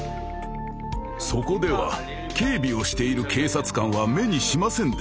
そこでは警備をしている警察官は目にしませんでした。